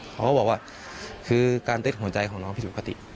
เขาก็บอกว่าคือการเต้นหัวใจของน้องผิดปกติ